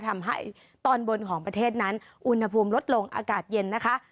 ทำให้ตอนบนของประเทศนั้นอุณหภูมิลดลงอากาศเย็นนะคะ